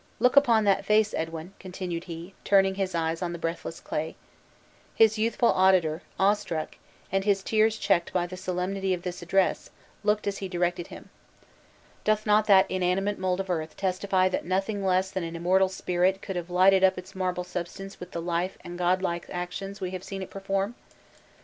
Look upon that face, Edwin!" continued he, turning his eyes on the breathless clay. His youthful auditor, awestruck, and his tears checked by the solemnity of this address, looked as he directed him. "Doth not that inanimate mold of earth testify that nothing less than an immortal spirit could have lighted up its marble substance with the life and god like actions we have seen it perform?"